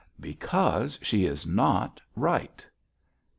"Because she is not right."